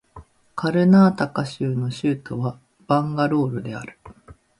カルナータカ州の州都はバンガロールである